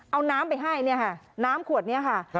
เอาน้ำไปให้เนี่ยค่ะน้ำขวดนี้ค่ะ